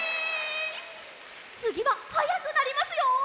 つぎははやくなりますよ！